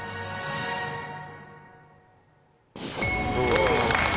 お。